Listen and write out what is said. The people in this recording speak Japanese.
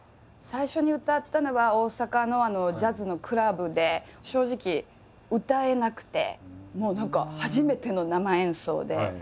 最初に歌ったのは大阪のジャズのクラブで正直歌えなくて。